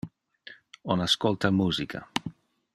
On ascolta musica.